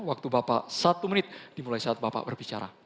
waktu bapak satu menit dimulai saat bapak berbicara